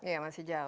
ya masih jauh